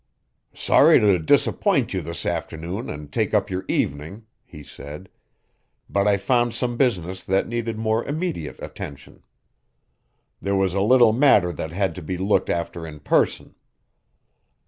"Sorry to disappoint you this afternoon, and take up your evening," he said; "but I found some business that needed more immediate attention. There was a little matter that had to be looked after in person."